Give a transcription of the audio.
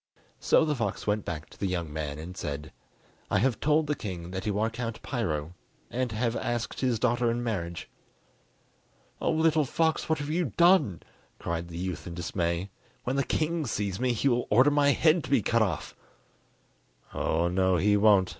So the fox went back to the young man and said: "I have told the king that you are Count Piro, and have asked his daughter in marriage." "Oh, little fox, what have you done?" cried the youth in dismay; "when the king sees me he will order my head to be cut off." "Oh, no, he won't!"